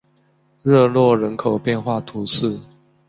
热诺人口变化图示